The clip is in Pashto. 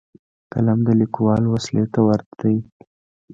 قلم د لیکوال وسلې ته ورته دی.